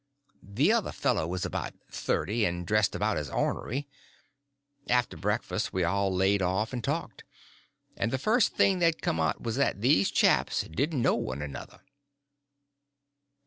The other fellow was about thirty, and dressed about as ornery. After breakfast we all laid off and talked, and the first thing that come out was that these chaps didn't know one another.